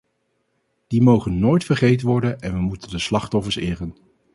Die mogen nooit vergeten worden en we moeten de slachtoffers eren.